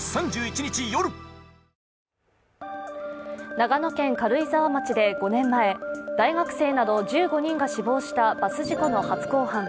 長野県軽井沢町で５年前大学生など１５人が死亡したバス事故の初公判。